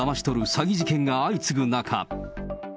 詐欺事件が相次ぐ中。